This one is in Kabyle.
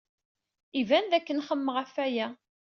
Iban dakken xemmemeɣ ɣef waya.